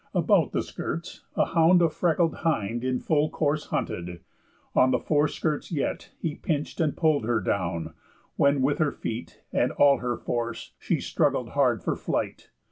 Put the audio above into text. About the skirts a hound a freckled hind In full course hunted; on the fore skirts, yet, He pinch'd and pull'd her down, when with her feet, And all her force, she struggled hard for flight.